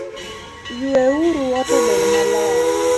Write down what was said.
Yue uru ot obed maler